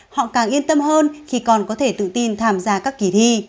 họ càng yên tâm hơn khi con có thể tự tin tham gia các kỳ thi